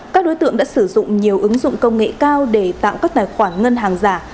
các đối tượng đã sử dụng nhiều ứng dụng công nghệ cao để tạo các tài khoản ngân hàng giả